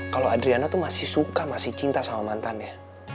kalau adriana itu masih suka masih cinta sama mantannya